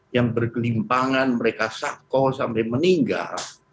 yang bergelimpangan mereka sakau sampai meninggal